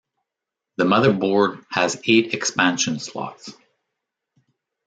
The motherboard had eight expansion slots.